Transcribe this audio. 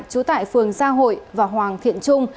chú tại phường gia hội và hoàng thiện trung